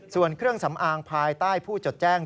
ส่วนเครื่องสำอางภายใต้ผู้จดแจ้ง